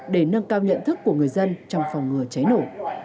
để nâng cao nhận thức của người dân trong phòng ngừa cháy nổ